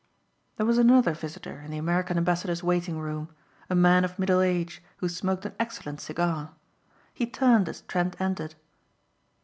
There was another visitor in the American ambassador's waiting room, a man of middle age who smoked an excellent cigar. He turned as Trent entered.